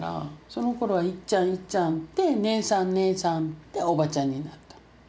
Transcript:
そのころは「いっちゃんいっちゃん」で「姉さん姉さん」で「おばちゃん」になった。